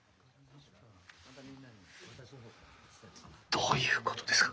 どういうことですか？